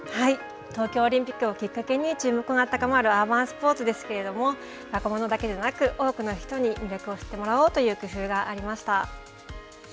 東京オリンピックをきっかけに注目の高まるアーバンスポーツですけれども若者だけじゃなく、多くの人に魅力を知ってもらおうという工夫がありました。